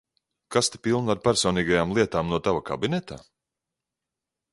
Kasti pilnu ar personīgajām lietām no tava kabineta?